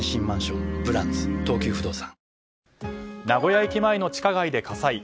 名古屋駅前の地下街で火災。